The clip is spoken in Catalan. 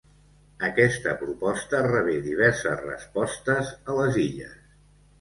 Aquesta proposta rebé diverses respostes a les illes.